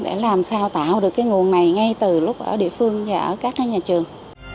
để làm sao tạo được cái nguồn này ngay từ lúc ở địa phương và ở các nhà trường